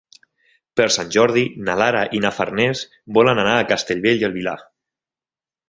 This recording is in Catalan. Per Sant Jordi na Lara i na Farners volen anar a Castellbell i el Vilar.